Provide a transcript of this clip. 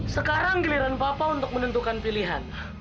sekarang giliran papa untuk menentukan pilihan